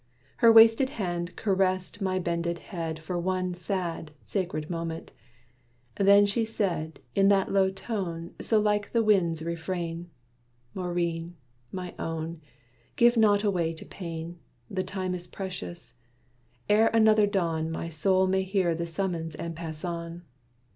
Her wasted hand caressed my bended head For one sad, sacred moment. Then she said, In that low tone so like the wind's refrain, "Maurine, my own! give not away to pain; The time is precious. Ere another dawn My soul may hear the summons and pass on.